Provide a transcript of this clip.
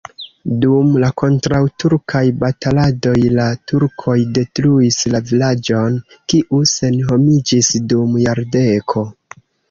Dum la kontraŭturkaj bataladoj la turkoj detruis la vilaĝon, kiu senhomiĝis dum jardeko.